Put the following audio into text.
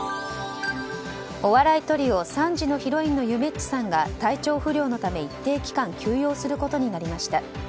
お笑いトリオ３時のヒロインのゆめっちさんが体調不良のため一定期間休養することになりました。